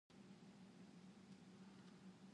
Udin belajar merempah berbagai gulai dan sayur